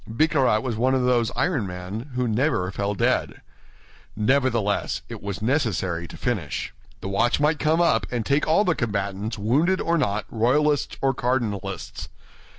Bicarat was one of those iron men who never fell dead. Nevertheless, it was necessary to finish. The watch might come up and take all the combatants, wounded or not, royalists or cardinalists.